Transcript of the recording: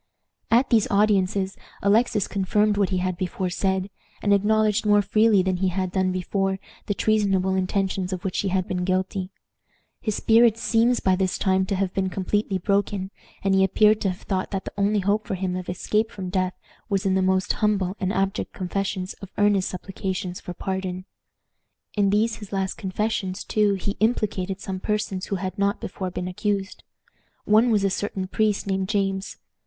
At these audiences Alexis confirmed what he had before said, and acknowledged more freely than he had done before the treasonable intentions of which he had been guilty. His spirit seems by this time to have been completely broken, and he appeared to have thought that the only hope for him of escape from death was in the most humble and abject confessions and earnest supplications for pardon. In these his last confessions, too, he implicated some persons who had not before been accused. One was a certain priest named James.